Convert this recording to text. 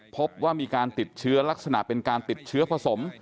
พบว่ามีการติดเชื้อลักษณะเป็นการติดเชื้อผสม